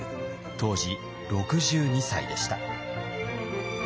当時６２歳でした。